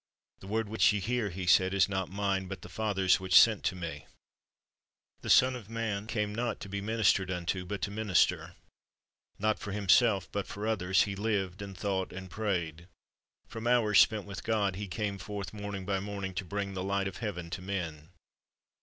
"The word which ye hear," He said, "is not Mine, but the Father's which sent Me." "The Son of man came not to be ministered unto, but to minister."' Not for Himself, but for others. He lived and thought and prayed. From hours spent with God He came forth morning by morning, to bring the light of heaven to men.